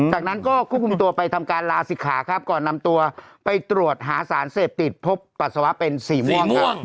จากนั้นก็ควบคุมตัวไปทำการลาศิกขาครับก่อนนำตัวไปตรวจหาสารเสพติดพบปัสสาวะเป็นสีม่วงครับ